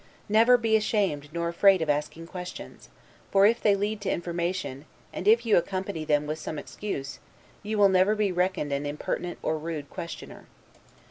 Never be ashamed nor afraid of asking questions: for if they lead to information, and if you accompany them with some excuse, you will never be reckoned an impertinent or rude questioner.